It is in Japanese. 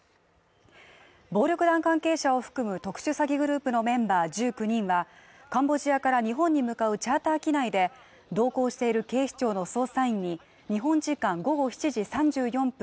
暴力団関係者を含む特殊詐欺グループのメンバー１９人はカンボジアから日本に向かうチャーター機内で同行している警視庁の捜査員に日本時間午後７時３４分